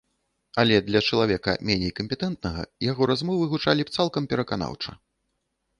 Але для чалавека меней кампетэнтнага яго размовы гучалі б цалкам пераканаўча.